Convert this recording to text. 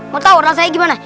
mau tau orang saya gimana